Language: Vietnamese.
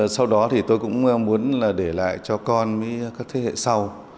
sau đó thì tôi cũng muốn là để lại cho con với các thế hệ sau